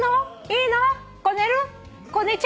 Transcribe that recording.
「いいのね？」